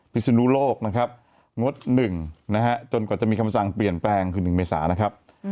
ศนุโลกนะครับงด๑นะฮะจนกว่าจะมีคำสั่งเปลี่ยนแปลงคือ๑เมษานะครับ